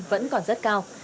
vẫn còn rất cao